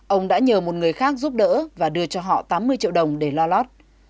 ông đã nhờ một người khác giúp đỡ và đưa cho họ tám mươi triệu đồng để lo lót